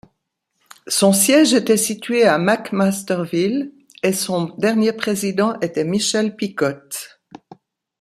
Son siège était situé à McMasterville et son dernier président était Michel Picotte.